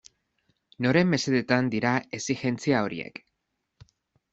Noren mesedetan dira exijentzia horiek?